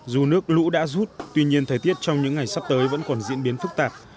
dù nước lũ đã rút tuy nhiên thời tiết trong những ngày sắp tới vẫn còn diễn biến phức tạp